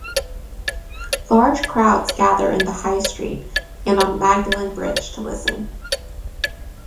Large crowds gather in the High Street and on Magdalen Bridge to listen.